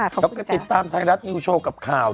เราก็ติดตามไทยรัฐนิวโชว์กับข่าว